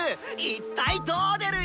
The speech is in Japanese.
一体どう出る？